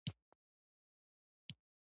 دې بیک ته به اجازه ورکړي او کنه.